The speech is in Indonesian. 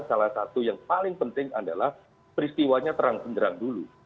salah satu yang paling penting adalah peristiwanya terang penderang dulu